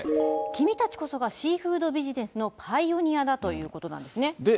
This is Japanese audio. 君たちこそがシーフードビジネスのパイオニアだということなんですね。